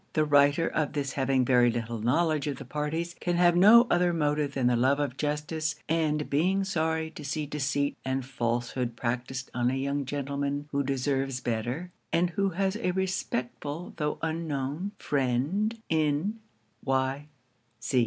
The writer of this having very little knowledge of the parties, can have no other motive than the love of justice, and being sorry to see deceit and falsehood practised on a young gentleman who deserves better, and who has a respectful tho' unknown friend in Y.